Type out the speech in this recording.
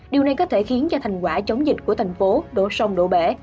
điều này có thể khiến cho thành quả chống dịch của thành phố đổ sông đổ bể